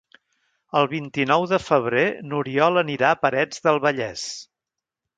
El vint-i-nou de febrer n'Oriol anirà a Parets del Vallès.